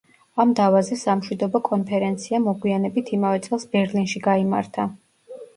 ამ დავაზე სამშვიდობო კონფერენცია, მოგვიანებით იმავე წელს ბერლინში გაიმართა.